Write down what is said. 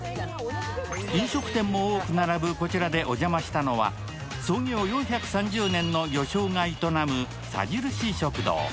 飲食店も多く並ぶこちらでお邪魔したのは創業４３０年の魚商が営むさじるし食堂。